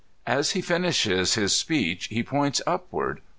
Ashefinishes his speech he points upward.